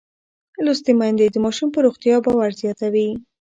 لوستې میندې د ماشوم پر روغتیا باور زیاتوي.